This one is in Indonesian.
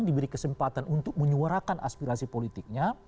diberi kesempatan untuk menyuarakan aspirasi politiknya